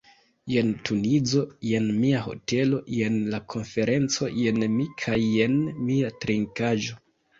Jen Tunizo, jen mia hotelo, jen la konferenco, jen mi kaj jen mia trinkaĵo.